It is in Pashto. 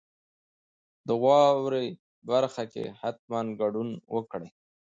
د واورئ برخه کې حتما ګډون وکړئ.